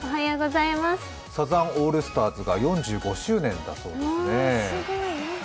サザンオールスターズが４５周年だそうですね。